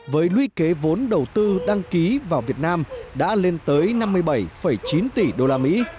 với luy kế vốn đầu tư đăng ký vào việt nam đã lên tới năm mươi bảy chín tỷ usd